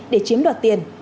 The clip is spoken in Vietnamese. để chiếm đoạt tiền